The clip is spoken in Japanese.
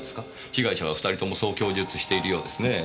被害者は２人ともそう供述しているようですねぇ。